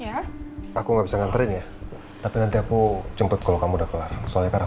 ya aku nggak bisa nganterin ya tapi nanti aku jemput kalau kamu udah kelar soalnya karena